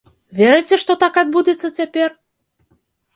Верыце, што так адбудзецца цяпер?